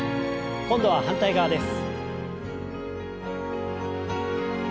今度は反対側です。